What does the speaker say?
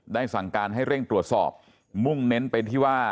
สั่งการให้เร่งตรวจสอบมุ่งเน้นเป็นที่ว่า